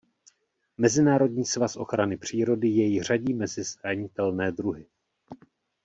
Mezinárodní svaz ochrany přírody jej řadí mezi zranitelné druhy.